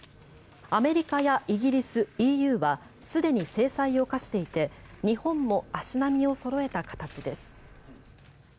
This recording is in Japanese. アメリカやイギリス、ＥＵはすでに制裁を科していて日本も足並みをそろえた形です。